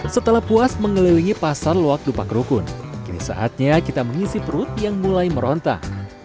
setelah puas mengelilingi pasar loak dupak rukun kini saatnya kita mengisi perut yang mulai merontak